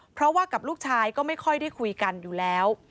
เพราะว่ากับลูกชายก็ไม่ค่อยได้คุยกันอยู่แล้ว